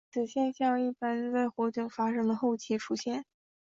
此现象一般在火警发生的后期出现。